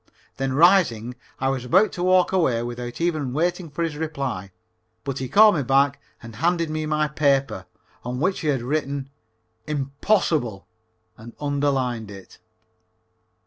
Then rising, I was about to walk away without even waiting for his reply, but he called me back and handed me my paper, on which he had written "Impossible" and underlined it.